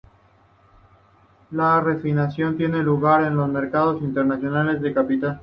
La refinanciación tiene lugar en los mercados internacionales de capital.